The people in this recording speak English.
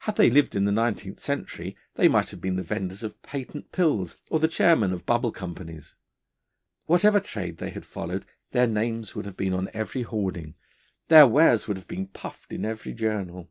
Had they lived in the nineteenth century they might have been the vendors of patent pills, or the chairmen of bubble companies. Whatever trade they had followed, their names would have been on every hoarding, their wares would have been puffed in every journal.